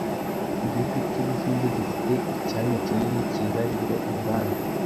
igihugu cy’Ubuhinde gifite icyanya kinini cyahariwe inganda.